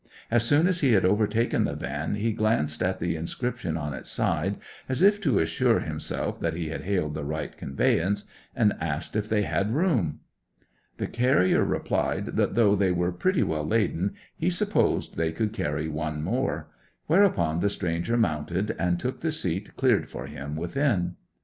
As soon as he had overtaken the van he glanced at the inscription on its side, as if to assure himself that he had hailed the right conveyance, and asked if they had room. The carrier replied that though they were pretty well laden he supposed they could carry one more, whereupon the stranger mounted, and took the seat cleared for him within.